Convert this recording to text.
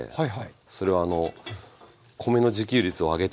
それはあの米の自給率を上げたいと。